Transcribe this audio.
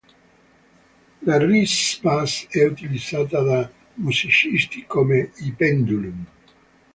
La Reese Bass è utilizzata da musicisti come i Pendulum.